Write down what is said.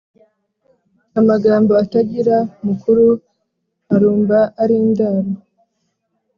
Amagambo atagira mukuru arumba ari indaro.